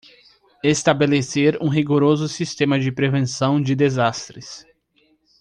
Estabelecer um rigoroso sistema de prevenção de desastres